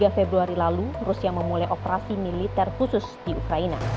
tiga februari lalu rusia memulai operasi militer khusus di ukraina